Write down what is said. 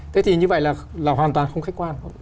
thế thì như vậy là hoàn toàn không khách quan